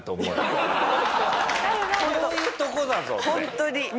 本当に。